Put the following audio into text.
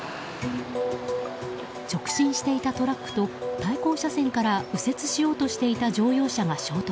直進していたトラックと対向車線から右折しようとしていた乗用車が衝突。